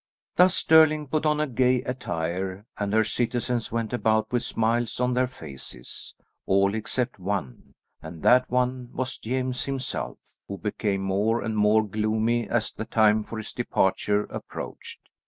Thus Stirling put on gay attire and her citizens went about with smiles on their faces, all except one, and that one was James himself, who became more and more gloomy as the time for his departure approached.